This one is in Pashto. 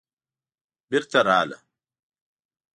بېرته راغله.